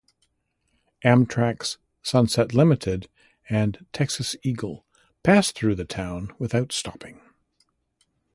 Amtrak's "Sunset Limited" and "Texas Eagle" pass through the town without stopping.